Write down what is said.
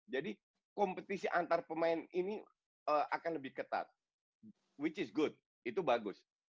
jadi kompetisi antar pemain ini akan lebih ketat which is good itu bagus